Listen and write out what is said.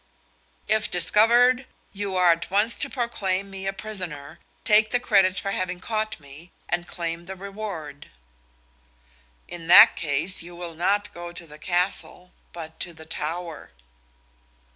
"If discovered, you are at once to proclaim me a prisoner, take the credit for having caught me, and claim the reward." "In that case, you will not go to the castle, but to the Tower."